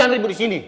ini rumah sakit